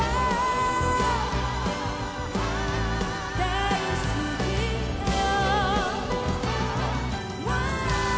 「大好きだよ」